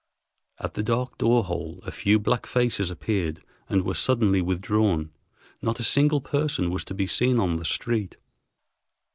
At the dark door hole a few black faces appeared and were suddenly withdrawn. Not a single person was to be seen on the street.